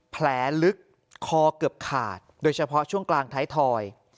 แผลลึกคอเกือบขาดโดยเฉพาะช่วงกลางท้ายทอย